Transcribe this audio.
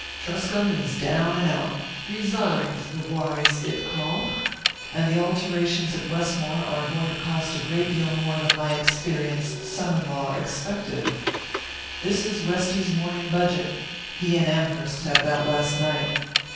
"Truscomb is down and out resigned, 'the wise it call.' And the alterations at Westmore are going to cost a great deal more than my experienced son in law expected. This is Westy's morning budget he and Amherst had it out last night.